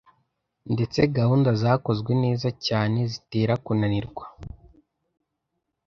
Ndetse gahunda zakozwe neza cyane zitera kunanirwa.